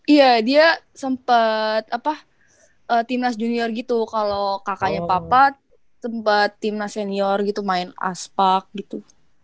iya dia sempat apa timnas junior gitu kalau kakaknya papa sempat timnas senior gitu main aspak gitu